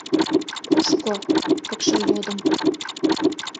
— Кушко? — пыкше йодым.